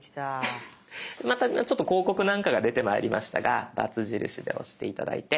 また広告なんかが出てまいりましたがバツ印で押して頂いて。